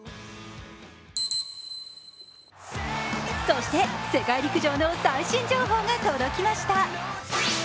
そして世界陸上の最新情報が届きました。